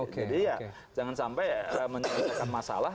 jadi ya jangan sampai menyebabkan masalah